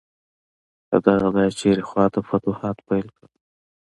له دغه ځایه یې هرې خواته فتوحات پیل کړل.